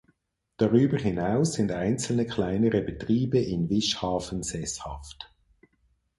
Darüber hinaus sind einzelne kleinere Betriebe in Wischhafen sesshaft.